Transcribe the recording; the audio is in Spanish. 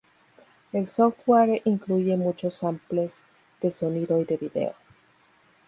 El software incluye muchos samples de sonido y de vídeo.